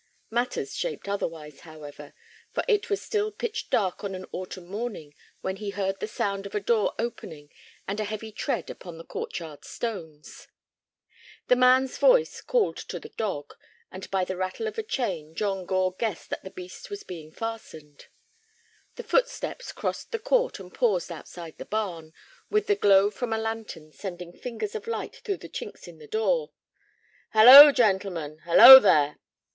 Matters shaped otherwise, however, for it was still pitch dark on an autumn morning when he heard the sound of a door opening and a heavy tread upon the court yard stones. The man's voice called to the dog, and by the rattle of a chain John Gore guessed that the beast was being fastened. The footsteps crossed the court and paused outside the barn, with the glow from a lantern sending fingers of light through the chinks in the door. "Halloo, gentlemen—halloo there!"